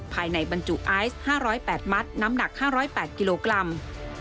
ภายในบรรจุไอซ์๕๐๘มัตต์น้ำหนัก๕๐๘กิโลกรัม